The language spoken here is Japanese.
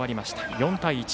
４対１。